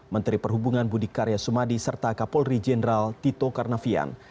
menteri perhubungan budi karya sumadi serta kapolri jenderal tito karnavian